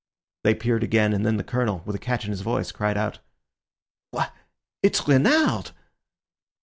They peered again, and then the Colonel, with a catch in his voice, cried out— "Why, it's Renard!"